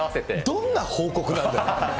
どんな報告なんだよ。